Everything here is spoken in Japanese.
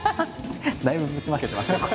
だいぶぶちまけてますけど。